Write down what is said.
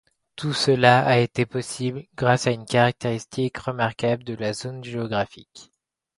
Tout cela a été possible, grâce à une caractéristique remarquable de la zone géographique.